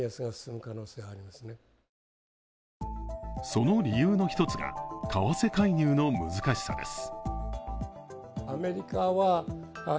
その理由の１つが為替介入の難しさです。